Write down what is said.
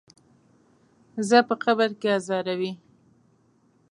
زه په قبر کې ازاروي.